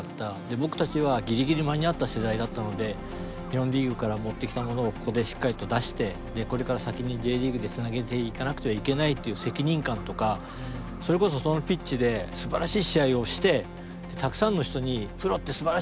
僕たちはギリギリ間に合った世代だったので日本リーグから持ってきたものをここでしっかりと出してこれから先にＪリーグでつなげていかなくてはいけないっていう責任感とかそれこそそのピッチですばらしい試合をしてたくさんの人に「プロってすばらしいですよ」